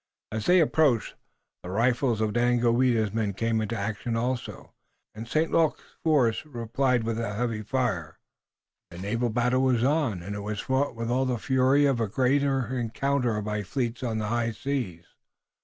As they approached, the rifles of Daganoweda's men came into action also, and St. Luc's force replied with a heavy fire. The naval battle was on, and it was fought with all the fury of a great encounter by fleets on the high seas.